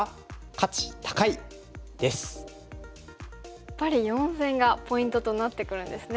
やっぱり四線がポイントとなってくるんですね。